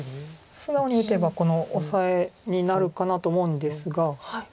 素直に打てばこのオサエになるかなと思うんですが。